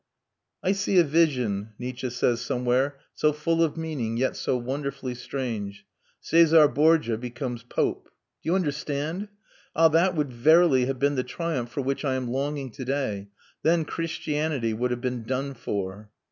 "I see a vision," Nietzsche says somewhere, "so full of meaning, yet so wonderfully strange Cæsar Borgia become pope! Do you understand? Ah, that would verily have been the triumph for which I am longing to day. Then Christianity would have been done for."